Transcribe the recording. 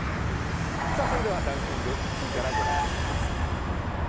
それではランキング、１位からご覧いただきます。